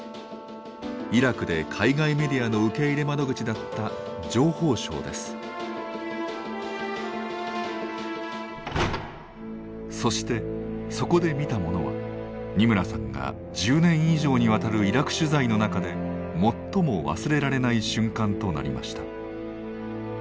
イラクで海外メディアの受け入れ窓口だったそしてそこで見たものは二村さんが１０年以上にわたるイラク取材の中で最も忘れられない瞬間となりました。